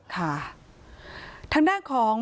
ค่ะทางด้านของ